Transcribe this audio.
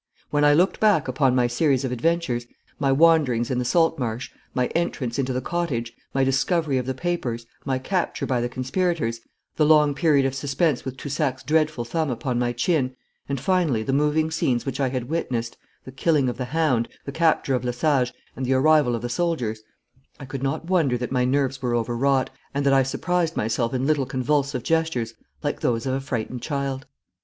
When I looked back upon my series of adventures, my wanderings in the salt marsh, my entrance into the cottage, my discovery of the papers, my capture by the conspirators, the long period of suspense with Toussac's dreadful thumb upon my chin, and finally the moving scenes which I had witnessed the killing of the hound, the capture of Lesage, and the arrival of the soldiers I could not wonder that my nerves were overwrought, and that I surprised myself in little convulsive gestures, like those of a frightened child.